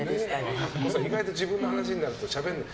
意外と自分の話になるとしゃべんない。